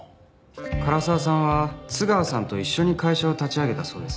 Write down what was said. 唐沢さんは津川さんと一緒に会社を立ち上げたそうですね。